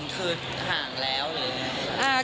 คือห่างแล้วหรืออะไร